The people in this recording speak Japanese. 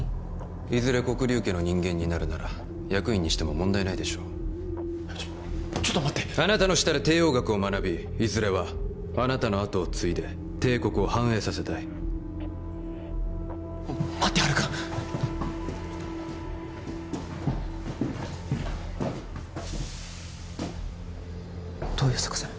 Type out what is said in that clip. いずれ黒龍家の人間になるなら役員にしても問題ないでしょうちょっちょっと待ってあなたの下で帝王学を学びいずれはあなたの後を継いで帝国を繁栄させたい待ってハルくんどういう作戦？